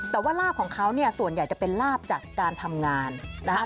แต่ว่าลาบของเขาเนี่ยส่วนใหญ่จะเป็นลาบจากการทำงานนะคะ